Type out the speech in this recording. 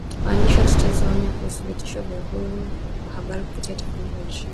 Waandishi na watetezi waonya kuhusu vitisho kwa uhuru wa habari kupitia teknolojia